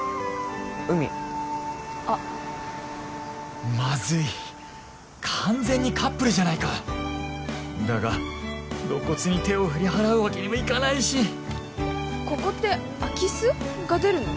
海あマズい完全にカップルじゃないかだが露骨に手を振り払うわけにもいかないしここって空き巣？が出るの？